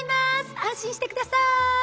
安心して下さい。